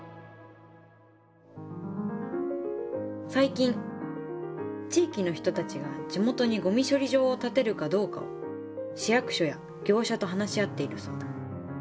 最近地域の人たちが地元にごみ処理場を建てるかどうかを市役所や業者と話し合っているそうだ。